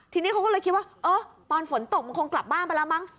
ทีนี้เขาก็เลยคิดว่าเออตอนฝนตกมันคงกลับบ้านไปแล้วมั้ง